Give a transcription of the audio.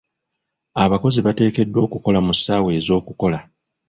Abakozi bateekeddwa kukola mu ssaawa ez'okukola.